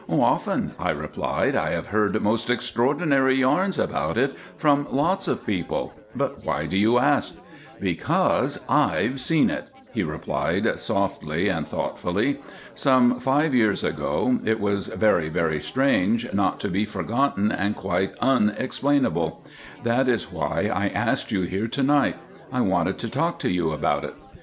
"Often," I replied, "I have heard most extraordinary yarns about it from lots of people; but why do you ask?" "Because I've seen it," he replied, softly and thoughtfully. "Some five years ago, it was very, very strange, not to be forgotten and quite unexplainable; that is why I asked you here to night. I wanted to talk to you about it."